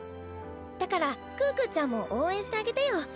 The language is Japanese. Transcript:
だから可可ちゃんも応援してあげてよ。